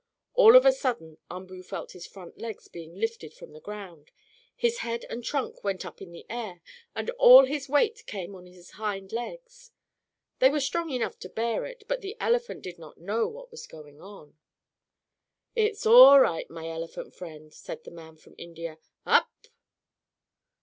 All of a sudden Umboo felt his front legs being lifted from the ground. His head and trunk went up in the air, and all his weight came on his hind legs. They were strong enough to bear it, but the elephant did not know what was going on. "It's all right, my elephant friend!" said the man from India. "Up!